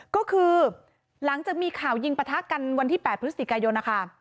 ก็คือหลังจากมีข่าวยิงปะทะกันวันที่๘พฤศจิกายนนะคะ